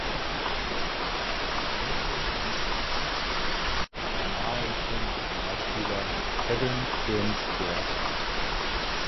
Der Enkel eines Cousins ist der ghanaische Nationalspieler Kevin-Prince Boateng.